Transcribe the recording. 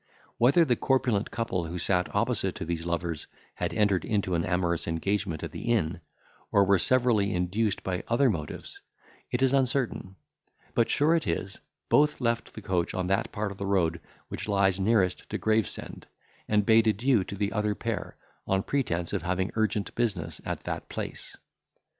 Whether the corpulent couple, who sat opposite to these lovers, had entered into an amorous engagement at the inn, or were severally induced by other motives, is uncertain; but sure it is, both left the coach on that part of the road which lies nearest to Gravesend, and bade adieu to the other pair, on pretence of having urgent business at that place.